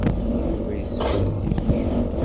Yuba yessefk ad yečč.